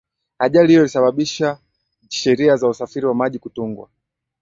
ajali hiyo ilisababisha sheria za usafiri wa maji kutungwa